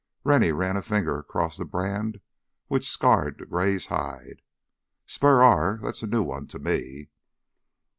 Rennie ran a finger across the brand which scarred the gray's hide. "Spur R—that's a new one to me."